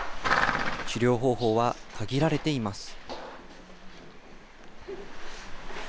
治療方法は限られています。